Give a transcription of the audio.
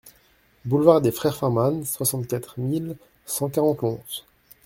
Boulevard des Frères Farman, soixante-quatre mille cent quarante Lons